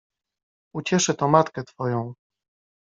Ucieszy to matkę twoją!